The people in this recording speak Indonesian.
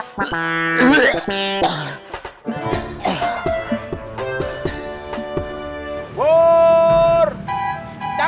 kau mau bahas hadiah ga wajah